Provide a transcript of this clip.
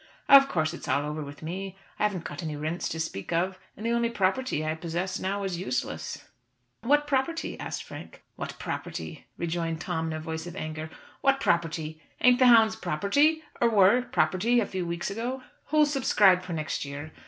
Of course it's all over with me. I haven't got any rents to speak of, and the only property I possess is now useless." "What property?" asked Frank. "What property?" rejoined Tom in a voice of anger. "What property? Ain't the hounds property, or were property a few weeks ago? Who'll subscribe for next year?